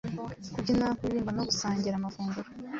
kubyina, kuririmba no gusangira amafunguro.